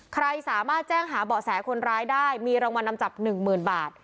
ใครสามารถแจ้งหาเบาะแสคนร้ายได้มีรางวัลนำจับ๑๐๐๐บาท